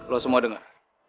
lo semua denger